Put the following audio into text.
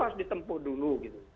harus ditempuh dulu